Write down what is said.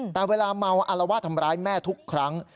แต่เวลาเมาอารวาสทำร้ายแม่ทุกครั้ง